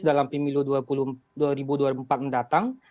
dalam pemilu dua ribu dua puluh empat mendatang